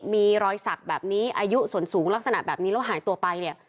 มีรอยสักแบบนี้อายุส่วนสูงลักษณะแบบนี้แล้วหายตัวไปเนี่ย